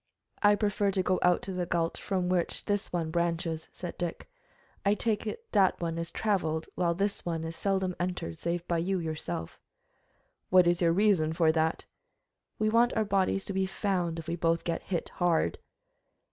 "I prefer to go out to the gulch from which this one branches," said Dick. "I take it that one is traveled, while this one is seldom entered save by you yourself." "What's your reason for that?" "We want our bodies to be found, if we both get hit hard."